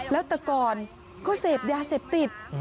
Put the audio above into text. แล้วแต่ก่อนก็เสพยาเสพติด